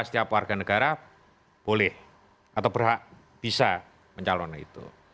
setiap warga negara boleh atau berhak bisa mencalon itu